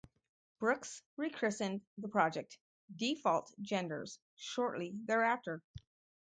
Brooks rechristened the project "Default Genders" shortly thereafter.